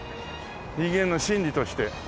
人間の心理として。